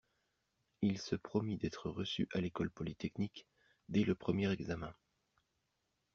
Il se promit d'être reçu à L'École Polytechnique, dès le premier examen.